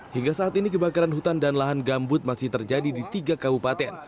hingga saat ini kebakaran hutan dan lahan gambut masih terjadi di tiga kabupaten